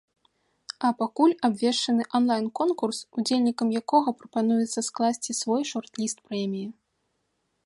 А пакуль абвешчаны онлайн-конкурс, удзельнікам якога прапануецца скласці свой шорт-ліст прэміі.